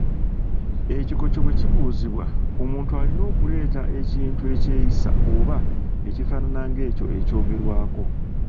Ekikoco bwe kibuuzibwa, omuntu alina okuleeta ekintu ekyeyisa oba ekifaanana ng’ekyo ekyogerwako.